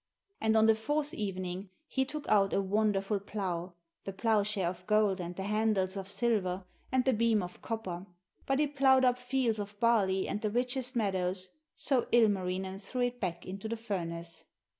And on the fourth evening he took out a wonderful plough, the ploughshare of gold and the handles of silver and the beam of copper. But it ploughed up fields of barley and the richest meadows, so Ilmarinen threw it back into the furnace.